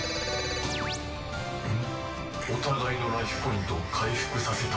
お互いのライフポイントを回復させた。